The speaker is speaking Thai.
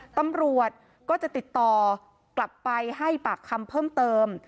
ตำรวจก็จะติดต่อกลับไปให้ปากคำเพิ่มเติม